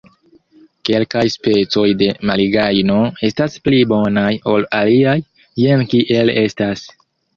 Kelkaj specoj de malgajno estas pli bonaj ol aliaj, jen kiel estas.